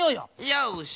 よし！